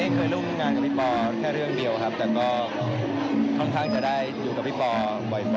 เคยร่วมงานกับพี่ปอแค่เรื่องเดียวครับแต่ก็ค่อนข้างจะได้อยู่กับพี่ปอบ่อย